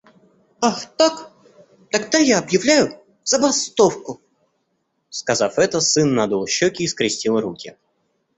«Ах так? Тогда я объявляю забастовку!» — сказав это, сын надул щёки и скрестил руки.